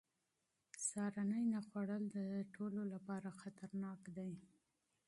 سهارنۍ نه خوړل د سړو لپاره خطرناک دي.